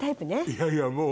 いやいやもう。